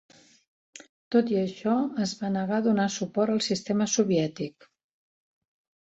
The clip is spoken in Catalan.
Tot i això, es va negar a donar suport al sistema soviètic.